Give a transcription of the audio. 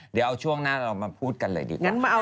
เดี๋ยวเอาช่วงหน้าเรามาพูดกันเลยดีกว่า